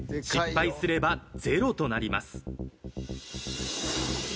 失敗すればゼロとなります。